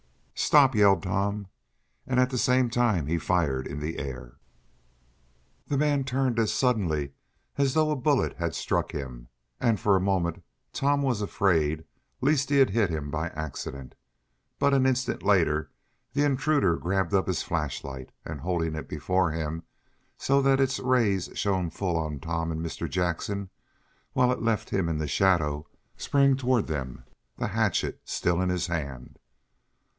"Stop!" yelled Tom, and at the same time he fired in the air. The man turned as suddenly as though a bullet had struck him, and for a moment Tom was afraid lest he had hit him by accident; but an instant later the intruder grabbed up his flashlight, and holding it before him, so that its rays shone full on Tom and Mr. Jackson, while it left him in the shadow, sprang toward them, the hatchet still in his hand.